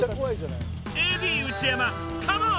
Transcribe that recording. ＡＤ内山カモン！